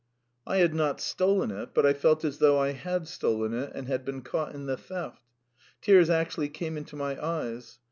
I had not stolen it, but I felt as though I had stolen it and had been caught in the theft. Tears actually came into my eyes.